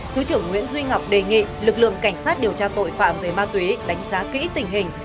thứ trưởng nguyễn duy ngọc đề nghị lực lượng cảnh sát điều tra tội phạm về ma túy đánh giá kỹ tình hình